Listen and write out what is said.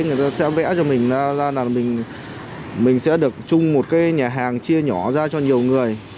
người ta sẽ vẽ cho mình ra là mình sẽ được chung một cái nhà hàng chia nhỏ ra cho nhiều người